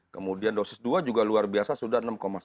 kemudian dosis dua juga luar biasa sudah enam sembilan